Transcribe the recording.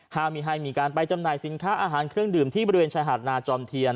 ห้ามมีให้มีการไปจำหน่ายสินค้าอาหารเครื่องดื่มที่บริเวณชายหาดนาจอมเทียน